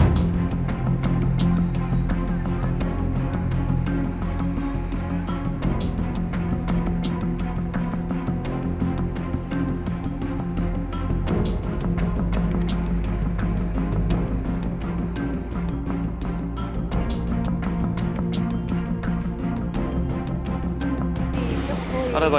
hãy theo tôi đưa vào